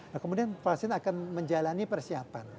nah kemudian vaksin akan menjalani persiapan